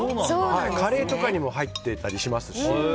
カレーとかにも入っていたりしますし。